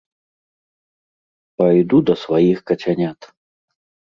Пайду да сваіх кацянят!